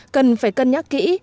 cần phải cân nhắc kỹ